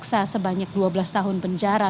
dengan tuntutan jaksa sebanyak dua belas tahun penjara